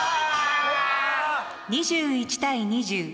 ２１対２０。